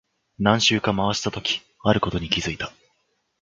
何周か回したとき、あることに気づいた。